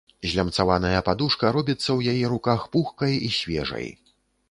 Злямцаваная падушка робіцца ў яе руках пухкай і свежай.